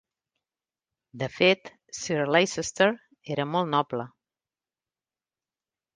De fet, Sir Leicester era molt noble.